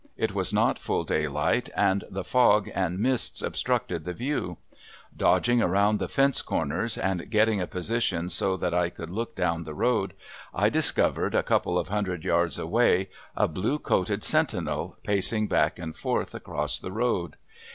It was not full daylight and the fog and mists obstructed the view. Dodging around fence corners and getting a position so that I could look down the road, I discovered a couple of hundred yards away, a blue coated sentinel pacing back and forth across the road.